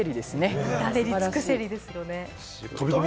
至れり尽くせりですね。